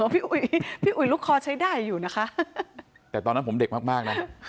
พี่อุ๋ยลูกคอใช้ได้อยู่นะคะแต่ตอนนั้นผมเด็กมากนะครับ